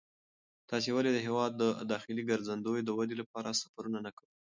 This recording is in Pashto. تاسې ولې د هېواد د داخلي ګرځندوی د ودې لپاره سفرونه نه کوئ؟